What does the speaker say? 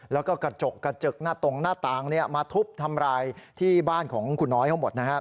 แล้วก็กระจกตรงหน้าตางมาทุบทำรายที่บ้านของคุณน้อยเขาหมด